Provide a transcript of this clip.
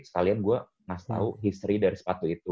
sekalian gue ngasih tau history dari sepatu itu